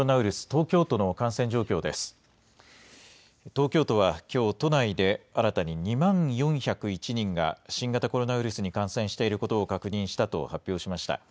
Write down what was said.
東京都はきょう、都内で新たに２万４０１人が、新型コロナウイルスに感染していることを確認したと発表しました。